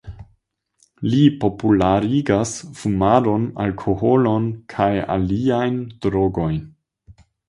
Ili popularigas fumadon, alkoholon kaj aliajn drogojn.